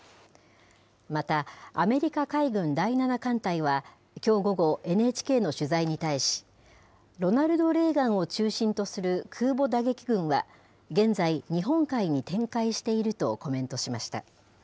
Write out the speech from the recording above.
また、アメリカ海軍第７艦隊は、きょう午後、ＮＨＫの取材に対し、ロナルド・レーガンを中心とする空母打撃群は、現在、日本海に展開しているとコメントしました。